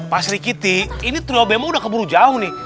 pasri kiti ini trio bemo udah keburu jauh nih